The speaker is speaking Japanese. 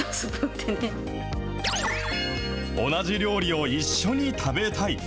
同じ料理を一緒に食べたい。